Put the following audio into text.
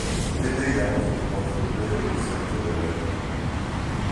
D abrid-a i teḍfer Tdukkla Tadelsant Adrar n Fad.